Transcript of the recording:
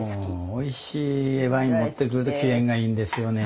おいしいワイン持ってくると機嫌がいいんですよね